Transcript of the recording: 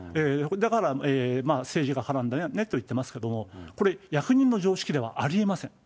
だから、政治が絡んでるねって言ってますけど、これ、役人の常識ではありえません。